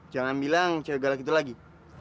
jangan bilang cewek galak itu lagi